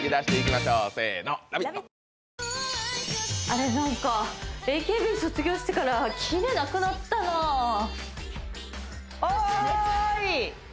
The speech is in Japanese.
あれなんかＡＫＢ卒業してからキレなくなったなおーい！